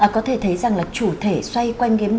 có thể thấy rằng là chủ thể xoay quanh